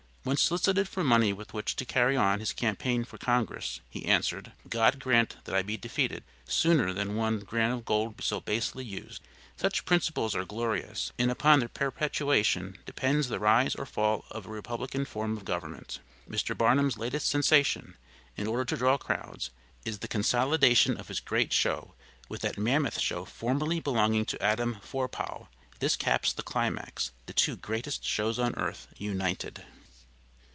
When solicited for money with which to carry on his campaign for Congress, he answered, "God grant that I be defeated, sooner than one grain of gold be so basely used." Such principles are glorious, and upon their perpetuation depends the rise or fall of a Republican form of government. Mr. Barnum's latest sensation, in order to draw crowds, is the consolidation of his great show with that mammoth show formerly belonging to Adam Forepaugh. This caps the climax, the two "Greatest Shows on Earth" united.